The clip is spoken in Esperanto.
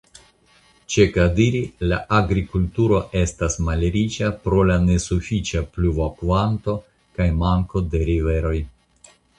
Ĉe Kadiri la agrikulturo estas malriĉa pro la nesufiĉa pluvokanto kaj manko de riveroj.